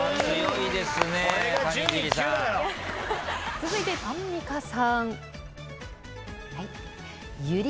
続いてアンミカさん。